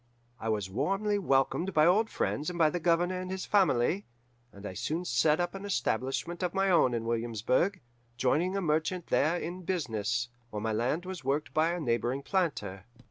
I was warmly welcomed by old friends and by the Governor and his family, and I soon set up an establishment of my own in Williamsburg, joining with a merchant there in business, while my land was worked by a neighbouring planter.